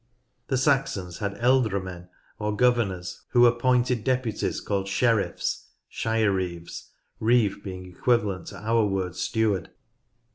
The Saxons had ealdremen or governors who appointed deputies called sheriff's (shire reeves; reeve being equivalent to our word steward).